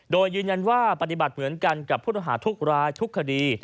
โดยยืนยันว่าปฏิบัติเหมือนกันกับผู้ต้องหาทุกรายทุกคดี